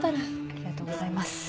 ありがとうございます。